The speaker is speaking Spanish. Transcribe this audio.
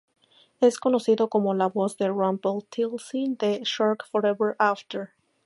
Es conocido como la voz de Rumpelstiltskin de "Shrek Forever After".